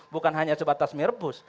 bukan hanya sebatas mirbus